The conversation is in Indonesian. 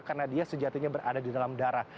karena dia sejatinya berada di dalam darah